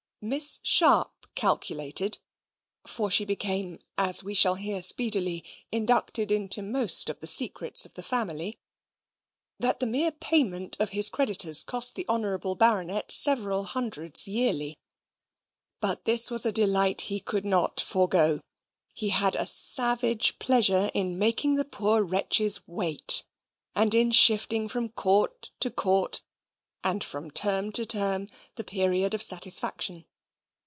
Miss Sharp calculated (for she became, as we shall hear speedily, inducted into most of the secrets of the family) that the mere payment of his creditors cost the honourable Baronet several hundreds yearly; but this was a delight he could not forego; he had a savage pleasure in making the poor wretches wait, and in shifting from court to court and from term to term the period of satisfaction.